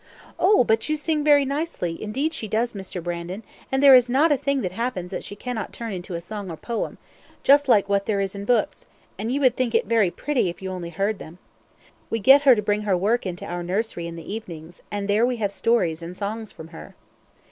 "Oh! but you sing very nicely; indeed she does, Mr. Brandon: and there is not a thing that happens that she cannot turn into a song or a poem, just like what there is in books, and you would think it very pretty if you only heard them. We get her to bring her work into our nursery in the evenings, and there we have stories and songs from her."